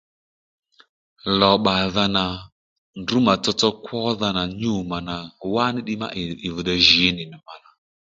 Lò bbàdha nà ndrǔ mà tsotso kwódha nà nyû mà nà wá ní ddiy má ndrǔ bì dey jǐ nì mà nà